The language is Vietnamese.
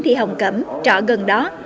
thị hồng cẩm trọ gần đó